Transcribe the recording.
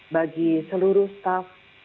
bagi seluruh staff